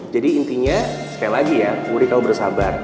jadi intinya sekali lagi ya wuri kamu bersabar